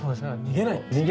逃げない。